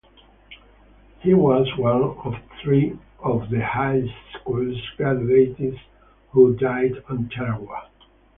He was one of three of the high school's graduates who died on Tarawa.